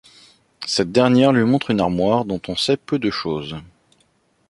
Cette dernière lui montre une armoire dont on sait peu de choses.